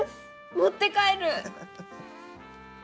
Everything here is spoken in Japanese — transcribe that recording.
持って帰る！